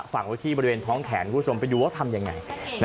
ฝังไว้ที่บริเวณท้องแขนคุณผู้ชมไปดูว่าทำยังไง